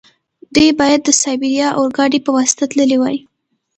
دوی باید د سایبیریا اورګاډي په واسطه تللي وای.